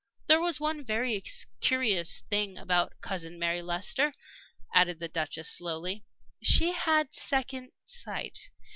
There was one very curious thing about Cousin Mary Leicester," added the Duchess, slowly "she had second sight.